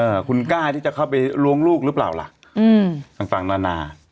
คุณกล้าที่จะเข้าไปล้วงลูกหรือเปล่าล่ะอืมต่างต่างนานา